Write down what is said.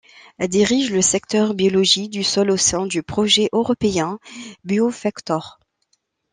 Elle dirige le secteur biologie du sol au sein du projet européen Biofector.